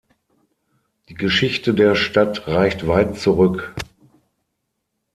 Die Geschichte der Stadt reicht weit zurück.